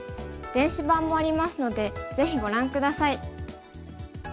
電子版もありますのでぜひご覧下さい。